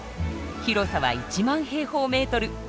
広さは１万平方メートル。